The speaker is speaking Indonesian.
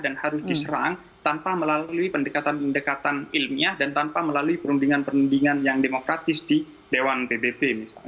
dan harus diserang tanpa melalui pendekatan pendekatan ilmiah dan tanpa melalui perundingan perundingan yang demokratis di dewan pbb